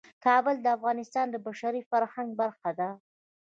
کابل د افغانستان د بشري فرهنګ برخه ده.